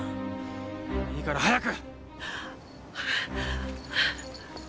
いいから早く！